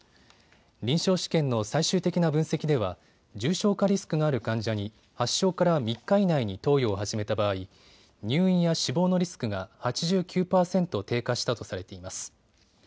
臨床試験の最終的な分析では重症化リスクがある患者に発症から３日以内に投与を始めた場合、入院や死亡のリスクが８９％低下したとされています。